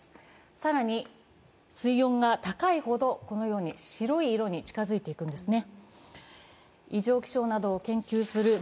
更に、水温が高いほどこのように白い色に近づいていくんですね